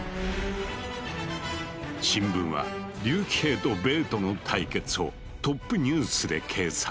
新聞は竜騎兵とベートの対決をトップニュースで掲載。